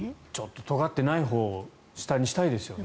とがってないほう下にしたいですよね。